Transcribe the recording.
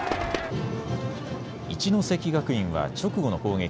一関学院は直後の攻撃。